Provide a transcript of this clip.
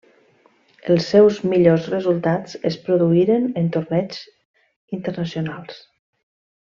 Els seus millors resultats es produïren en torneigs internacionals.